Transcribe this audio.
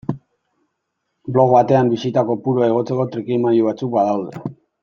Blog batean bisita kopurua igotzeko trikimailu batzuk badaude.